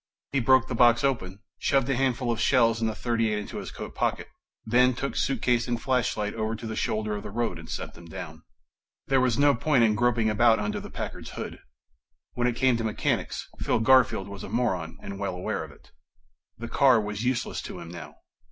He broke the box open, shoved a handful of shells and the .38 into his coat pocket, then took suitcase and flashlight over to the shoulder of the road and set them down. There was no point in groping about under the Packard's hood. When it came to mechanics, Phil Garfield was a moron and well aware of it. The car was useless to him now